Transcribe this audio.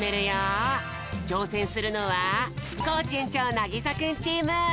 ちょうせんするのはコージ園長なぎさくんチーム！